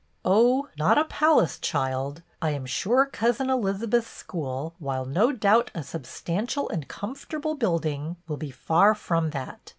" Oh, not a palace, child. I am sure Cousin Elizabeth's school, while no doubt a substan tial and comfortable building, will be far from that.